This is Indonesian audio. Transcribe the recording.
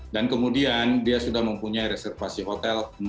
dan kemudian dia sudah mempunyai reservasi hotel